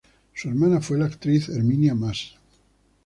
Su hermana fue la actriz Herminia Más.